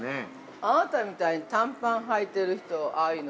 ◆あなたみたいに短パンはいている人、ああいうの。